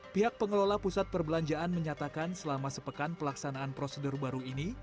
pihak pengelola pusat perbelanjaan menyatakan selama sepekan pelaksanaan prosedur baru ini